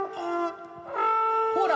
ほら！